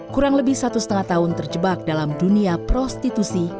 kurang lebih satu setengah tahun terjebak dalam dunia prostitusi